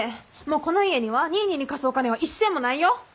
もうこの家にはニーニーに貸すお金は一銭もないよ！